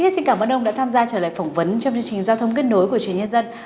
xin cảm ơn ông đã tham gia trở lại phỏng vấn trong chương trình giao thông kết nối của chuyên nhân dân